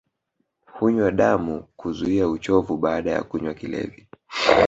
Hunywa damu kuzuia uchovu baada ya kunywa kilevi